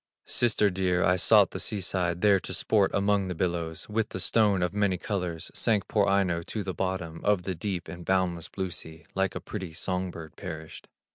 "Sister dear, I sought the sea side, There to sport among the billows; With the stone of many colors Sank poor Aino to the bottom Of the deep and boundless blue sea, Like a pretty song bird perished.